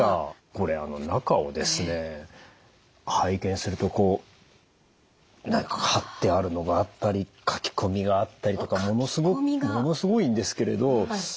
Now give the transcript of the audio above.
これ中をですね拝見するとこう貼ってあるのがあったり書き込みがあったりとかものすごいんですけれど。